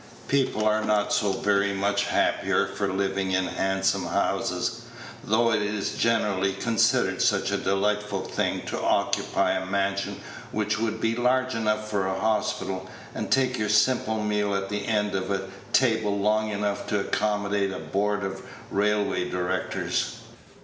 People are not so very much happier for living in handsome houses, though it is generally considered such a delightful thing to occupy a mansion which would be large enough for a hospital, and take your simple meal at the end of a table long enough to accommodate a board of railway directors.